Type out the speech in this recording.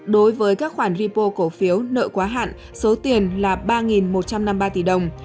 đối với các khoản ripo cổ phiếu nợ quá hạn số tiền là ba một trăm năm mươi ba tỷ đồng